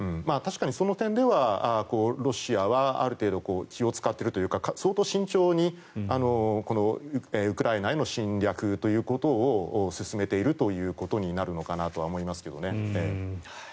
確かにその点ではロシアはある程度気を使っているというか相当慎重にウクライナへの侵略を進めているということになるのかなとは思いますけどね。